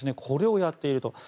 これをやっていると。